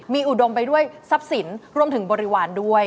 มีอุดมไปด้วยทรัพย์สินรวมถึงบริวารด้วย